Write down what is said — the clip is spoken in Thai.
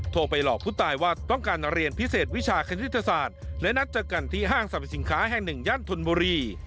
ไปหลอกผู้ตายว่าต้องการเรียนพิเศษวิชาคณิตศาสตร์และนัดเจอกันที่ห้างสรรพสินค้าแห่งหนึ่งย่านธนบุรี